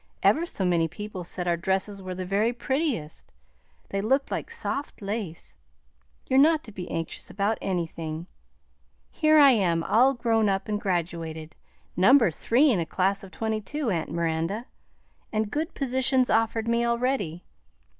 "Ever so many people said our dresses were the very prettiest; they looked like soft lace. You're not to be anxious about anything. Here I am all grown up and graduated, number three in a class of twenty two, aunt Miranda, and good positions offered me already.